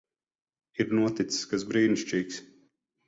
Ir noticis kas brīnišķīgs.